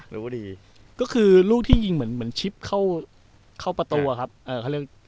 รู้ดีก็คือลูกที่ยิงเหมือนเหมือนชิปเข้าประตูอะครับเอ่อเขาเรียก